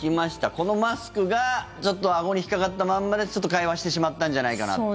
このマスクがちょっとあごに引っかかったまんまでちょっと会話してしまったんじゃないかなって。